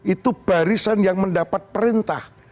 itu barisan yang mendapat perintah